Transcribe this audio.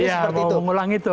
iya mau mengulang itu